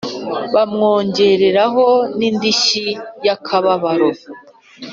bamwongereraho n'indishyi y'akababaro